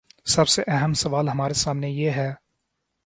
سب سے اہم سوال ہمارے سامنے یہ ہے۔